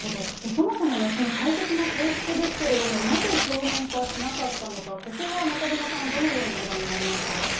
そもそも大切な制服ですけれども、なぜ表面化しなかったのか、ここは中島さん、どのようにご覧になりますか？